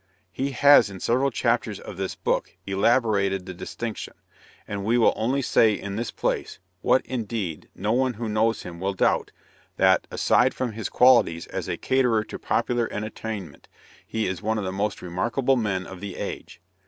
He has in several chapters of this book elaborated the distinction, and we will only say in this place, what, indeed, no one who knows him will doubt, that, aside from his qualities as a caterer to popular entertainment, he is one of the most remarkable men of the age.